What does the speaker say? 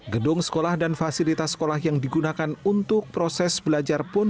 gedung sekolah dan fasilitas sekolah yang digunakan untuk proses belajar pun